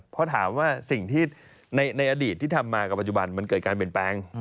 เพราะถามว่าสิ่งที่ในอดีตที่ทำมากับปัจจุบันมันเกิดการเปลี่ยนแปลง